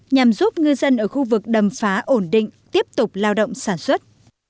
nhằm giúp ngư dân ở khu vực đầm phá ổn định tiếp tục lao động sản xuất